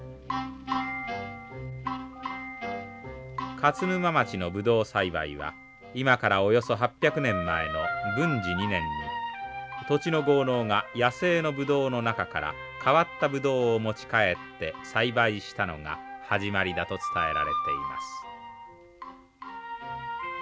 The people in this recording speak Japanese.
勝沼町のブドウ栽培は今からおよそ８００年前の文治２年に土地の豪農が野生のブドウの中から変わったブドウを持ち帰って栽培したのが始まりだと伝えられています。